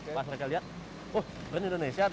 mas mereka lihat wah brand indonesia tuh